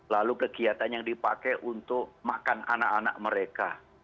lalu kegiatan yang dipakai untuk makan anak anak mereka